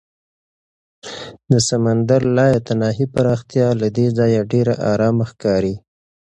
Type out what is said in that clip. د سمندر لایتناهي پراختیا له دې ځایه ډېره ارامه ښکاري.